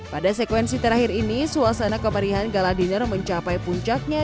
pada sekuensi terakhir ini suasana kemarihan galadiner mencapai puncaknya